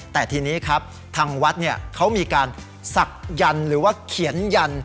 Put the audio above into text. แต่ทีนี้ครับทางวัดเขามีการศักดิ์หรือว่าเขียนยัน